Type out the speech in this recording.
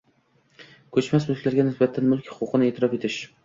Koʼchmas mulklarga nisbatan mulk huquqini eʼtirof etish